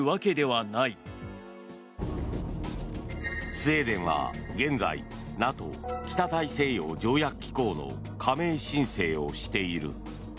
スウェーデンは現在ＮＡＴＯ・北大西洋条約機構の加盟申請をしている。